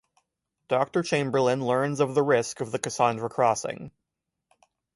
Doctor Chamberlain learns of the risk of the Cassandra Crossing.